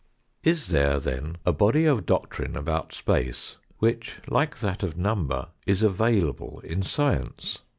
Is there, then, a body of doctrine about space which, like that of number, is available in science